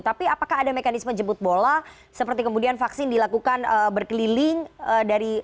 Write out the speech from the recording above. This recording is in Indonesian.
tapi apakah ada mekanisme jemput bola seperti kemudian vaksin dilakukan berkeliling dari